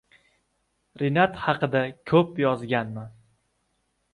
Rinat haqida ko‘p yozganman.